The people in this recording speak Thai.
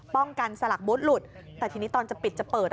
ป้องกันสลักบูธหลุดแต่ทีนี้ตอนจะปิดจะเปิด